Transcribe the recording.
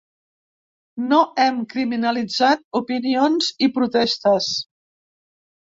No hem criminalitzat opinions i protestes.